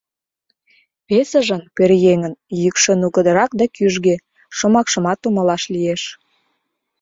Весыжын, пӧръеҥын, йӱкшӧ нугыдырак да кӱжгӧ, шомакшымат умылаш лиеш.